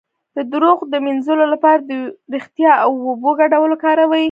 د دروغ د مینځلو لپاره د ریښتیا او اوبو ګډول وکاروئ